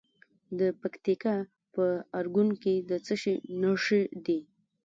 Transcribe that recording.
د پکتیکا په ارګون کې د څه شي نښې دي؟